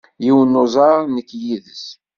Yiwen n uẓar nekk yid-s.